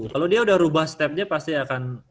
kalo dia udah rubah step nya pasti akan